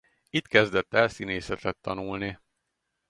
Itt kezdett el színészetet tanulni.